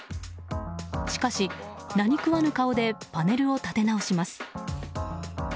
しかし、何食わぬ顔でパネルを立て直します。